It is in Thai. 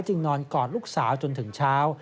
นอนกอดลูกสาวจนถึงเช้า